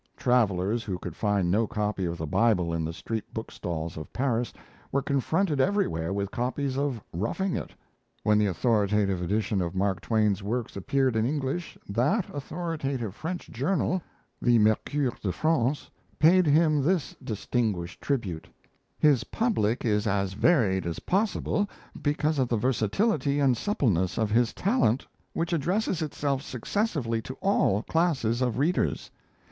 Travellers who could find no copy of the Bible in the street bookstalls of Paris, were confronted everywhere with copies of 'Roughing It'. When the authoritative edition of Mark Twain's works appeared in English, that authoritative French journal, the 'Mercure de France', paid him this distinguished tribute: "His public is as varied as possible, because of the versatility and suppleness of his talent which addresses itself successively to all classes of readers.